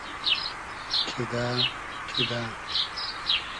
کیدۂ کیدۂ